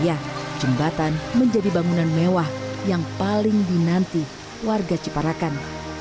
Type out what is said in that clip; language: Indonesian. ya jembatan menjadi bangunan mewah yang paling dinanti warga ciparakan